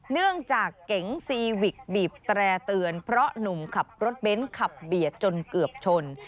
เนื่องจากเก๋งซีวิกบีบแตร่เตือนเพราะหนุ่มขับรถเบ้นขับเบียดจนเกือบชน